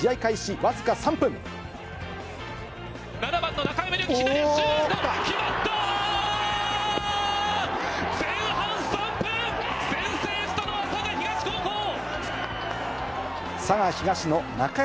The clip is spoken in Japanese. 前半３分、先制したのは佐賀東高校。